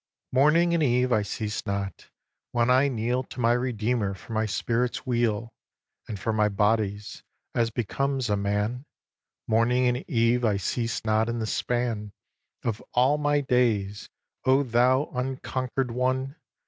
ii. Morning and eve I cease not, when I kneel To my Redeemer for my spirit's weal And for my body's, as becomes a man, Morning and eve I cease not in the span Of all my days, O thou Unconquer'd One!